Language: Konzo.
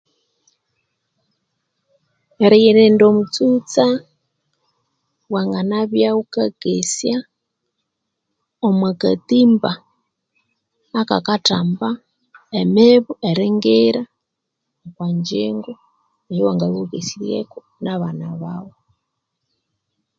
Eriyirinda omutsutsa wanganabya ghukakesya omwa katimba akakathamba emibu eringira okwa ngyingo eyawangabya ghukesiryeko na bana baghu